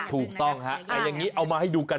ถูกต้องฮะแต่อย่างนี้เอามาให้ดูกัน